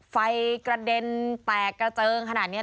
ไฟกระเด็นแตกกระเจิงขนาดนี้